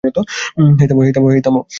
হেই, থামো।